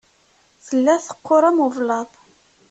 Tella teqqur am ublaḍ.